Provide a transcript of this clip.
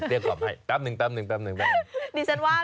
มีกลิ่นหอมกว่า